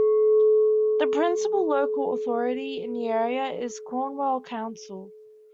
The principal local authority in the area is Cornwall Council.